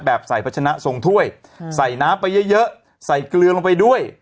ใส่พัชนะทรงถ้วยใส่น้ำไปเยอะเยอะใส่เกลือลงไปด้วย